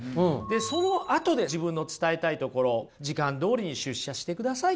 でそのあとで自分の伝えたいところ時間どおりに出社してくださいと。